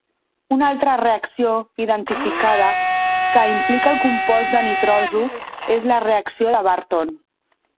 Una altra reacció identificada que implica el compost de nitroso és la reacció de Barton.